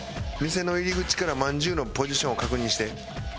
店の入り口からまんじゅうのポジションを確認して。